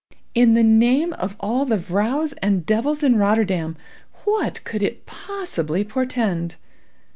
In the name of all the vrows and devils in Rotterdam, what could it possibly portend?